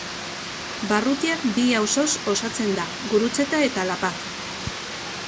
Barrutiak bi auzoz osatzen da Gurutzeta eta La Paz.